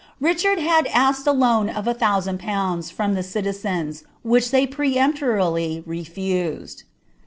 Richard had asked a loan of a tliounnd pnon^ froatts nliiens, which ifaey peremptorily refused.